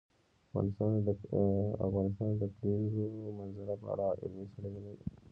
افغانستان د د کلیزو منظره په اړه علمي څېړنې لري.